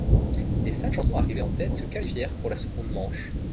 Les cinq chansons arrivées en tête se qualifièrent pour la seconde manche.